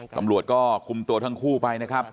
ตำรวจก็คุมตัวทั้งคู่ไปนะครับ